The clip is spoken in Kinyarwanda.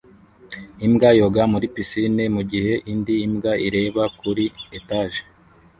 Imbwa yoga muri pisine mugihe indi mbwa ireba kuri etage